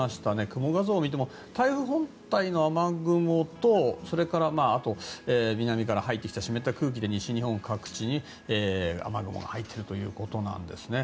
雲画像を見ても台風本体の雨雲とそれから、あと南から入ってきた湿った空気で西日本各地に雨雲が入っているということなんですね。